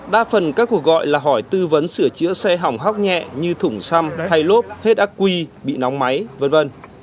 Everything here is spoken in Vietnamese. đa phần các cuộc gọi là hỏi tư vấn sửa chữa xe hỏng hóc nhẹ như thủng xăm thay lốp hết acqui bị nóng máy v v